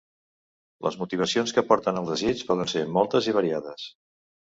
Les motivacions que porten al desig poden ser moltes i variades.